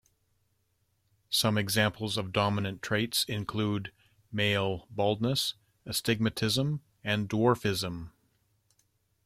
Some examples of dominant traits include: male baldness, astigmatism, and dwarfism.